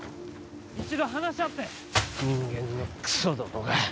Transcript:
一度話し合って人間のクソどもが！